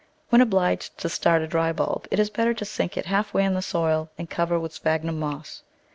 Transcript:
When obliged to start a dry bulb, it is better to sink it half way in the soil and cover with sphagnum moss.